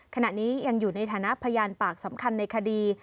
ขณะนี้ยังอยู่ในฐานะพยานปากสำคัญในคดี